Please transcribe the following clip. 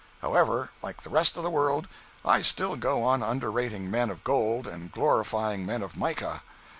However, like the rest of the world, I still go on underrating men of gold and glorifying men of mica.